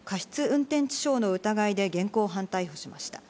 運転致傷の疑いで現行犯逮捕しました。